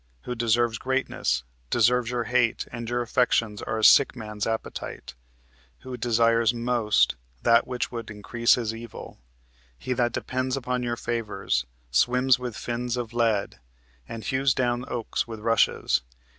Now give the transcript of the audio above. Who deserves greatness Deserves your hate; and your affections are A sick man's appetite, who desires most that Which would increase his evil. He that depends Upon your favors, swims with fins of lead, And hews down oaks with rushes.